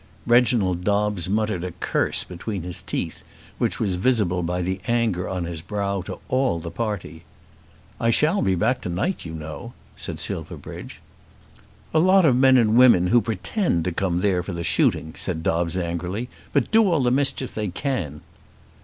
Reginald Dobbes muttered a curse between his teeth, which was visible by the anger on his brow to all the party. "I shall be back to night, you know," said Silverbridge. "A lot of men and women who pretend to come there for shooting," said Dobbes angrily, "but do all the mischief they can."